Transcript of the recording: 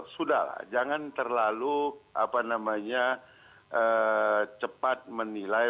sudahlah jangan terlalu cepat menilai